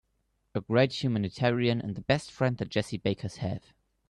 A great humanitarian and the best friend the Jessie Bakers have.